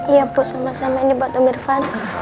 iya bu sama sama ini buat om irfan